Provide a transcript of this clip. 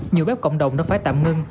nhiều bếp cộng đồng đã phải tạm ngưng